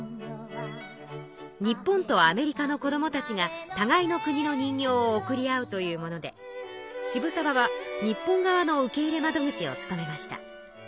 日本とアメリカの子どもたちがたがいの人形をおくり合うというもので渋沢は日本側の受け入れ窓口を務めました。